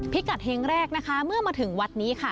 พิกัดเฮงแรกนะคะเมื่อมาถึงวัดนี้ค่ะ